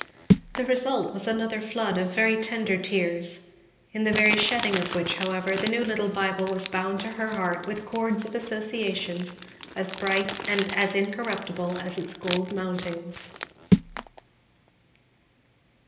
The result was another flood of very tender tears; in the very shedding of which however the new little Bible was bound to her heart with cords of association as bright and as incorruptible as its gold mountings.